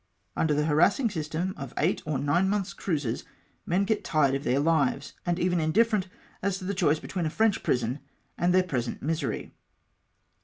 Under the har assing system of eight or nine months' cruises, men get tired of their lives, and even indifferent as to the choice between a French prison and their present misery.